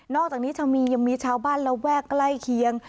นอกจากนี้จะมียังมีชาวบ้านและแว่งใกล้เคียง